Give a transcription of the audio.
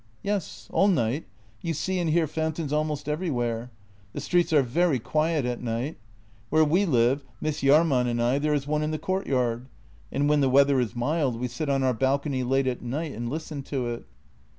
"" Yes, all night. You see and hear fountains almost every where. The streets are very quiet at night. Where we live, Miss Jahrman and I, there is one in the courtyard, and when the weather is mild we sit on our balcony late at night and listen to it."